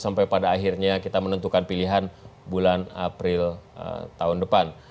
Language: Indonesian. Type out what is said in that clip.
sampai pada akhirnya kita menentukan pilihan bulan april tahun depan